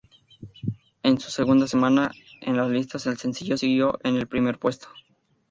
En su segunda semana en las listas, el sencillo siguió en el primer puesto.